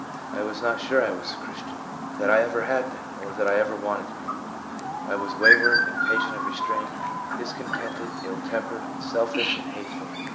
I was not sure I was a Christian, that I ever had been, or that I ever wanted to be. I was wayward, impatient of restraint, discontented, ill tempered, selfish and hateful.